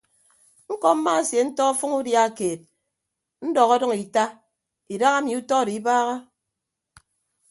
Ñkọ mmaasentọ ọfʌñ udia keed ndọk ọdʌñ ita idaha emi utọ odo ibaaha.